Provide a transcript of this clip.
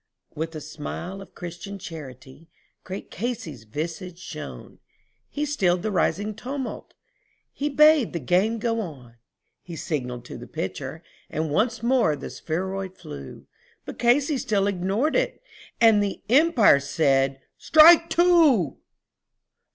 With a smile of Christian charity great Casey's visage shone, He stilled the rising tumult and he bade the game go on; He signalled to the pitcher and again the spheroid flew, But Casey still ignored it and the Umpire said "Strike two."